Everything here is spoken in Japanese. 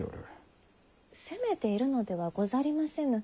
責めているのではござりませぬ。